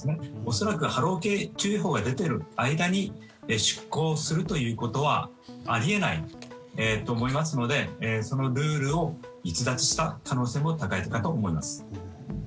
恐らく波浪注意報が出ている間に出航するということはあり得ないと思いますのでそのルールを逸脱した可能性も高いかと思います。